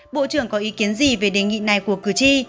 bộ trưởng có ý kiến gì về đề nghị này của cử tri